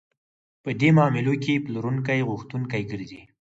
په دې معاملو کې پلورونکی غوښتونکی ګرځي